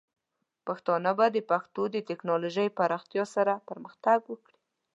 پښتانه به د پښتو د ټیکنالوجۍ پراختیا سره پرمختګ وکړي.